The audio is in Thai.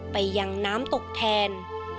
ไปยังน้ำตกแทน